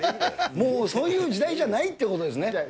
もう、そういう時代じゃないということですかね。